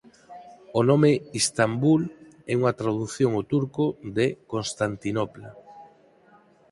O nome Istambul é unha tradución ao turco de "Constantinopla".